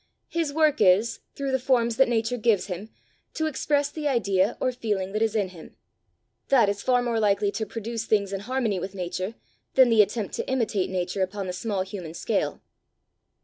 His work is, through the forms that Nature gives him, to express the idea or feeling that is in him. That is far more likely to produce things in harmony with nature, than the attempt to imitate nature upon the small human scale."